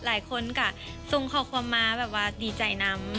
หลายคนก็สงความความมาว่าดีใจน้ำ